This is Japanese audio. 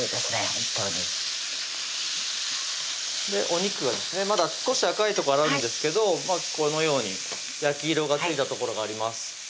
本当にお肉がですねまだ少し赤い所あるんですけどこのように焼き色がついた所があります